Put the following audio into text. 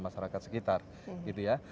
masyarakat sekitar gitu ya